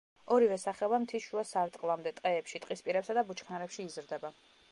ორივე სახეობა მთის შუა სარტყლამდე, ტყეებში, ტყისპირებსა და ბუჩქნარებში იზრდება.